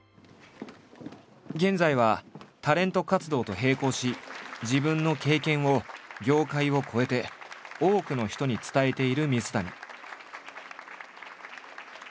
現在はタレント活動と並行し自分の経験を業界を超えて多くの人に伝えている水谷。